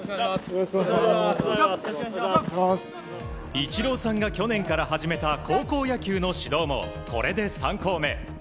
イチローさんが去年から始めた高校野球の指導もこれで３校目。